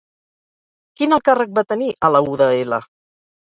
Quin alt càrrec va tenir a la UdL?